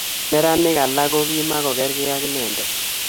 Neranik alak kokimakokerkei ak inendet